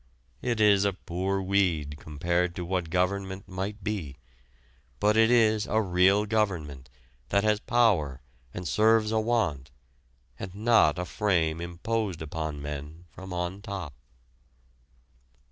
It is a poor weed compared to what government might be. But it is a real government that has power and serves a want, and not a frame imposed upon men from on top.